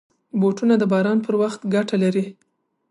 بوټونه د باران پر وخت ګټه لري.